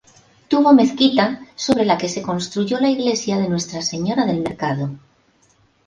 Tuvo mezquita sobre la que se construyó la iglesia de Nuestra Señora del Mercado.